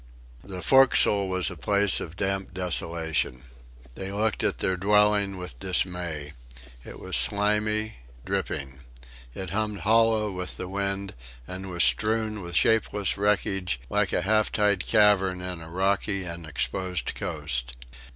The forecastle was a place of damp desolation. They looked at their dwelling with dismay. It was slimy, dripping; it hummed hollow with the wind, and was strewn with shapeless wreckage like a half tide cavern in a rocky and exposed coast.